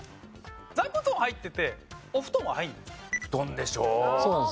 座布団は入っててお布団は入らないんですか？